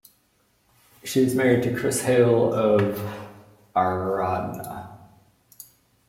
She is married to Chris Hale of Aradhna.